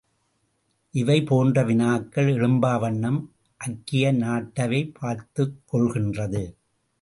இவை போன்ற வினாக்கள் எழும்பா வண்ணம் ஐக்கிய நாட்டவை பார்த்துக் கொள்கின்றது.